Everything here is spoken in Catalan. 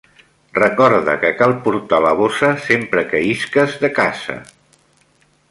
Recorda que cal portar la bossa sempre que isques de casa.